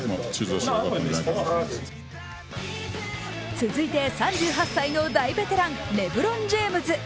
続いて３８歳の大ベテランレブロン・ジェームズ。